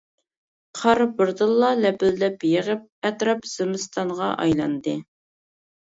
قار بىردىنلا لەپىلدەپ يېغىپ ئەتراپ زىمىستانغا ئايلاندى.